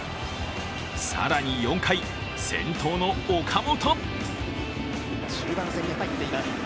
更に４回、先頭の岡本。